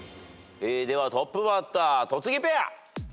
ではトップバッター戸次ペア。